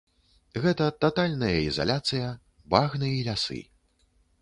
Гэта татальная ізаляцыя, багны і лясы.